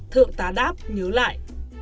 thượng tá đáp nhớ lại